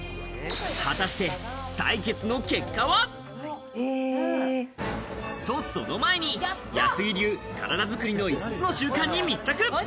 果たして採血の結果は？と、その前に安井流、体作りの５つの習慣に密着！